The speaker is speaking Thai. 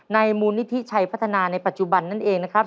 มูลนิธิชัยพัฒนาในปัจจุบันนั่นเองนะครับ